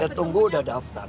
ya tunggu udah daftar